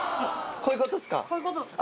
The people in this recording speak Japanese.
こういうことですね。